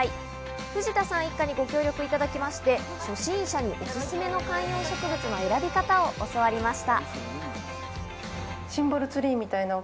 藤田さん一家にご協力いただきまして初心者におすすめの観葉植物の選び方を教わりました。